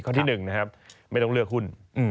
ที่๑นะครับไม่ต้องเลือกหุ้น